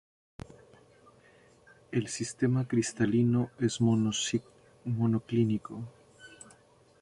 Su sistema cristalino es monoclínico.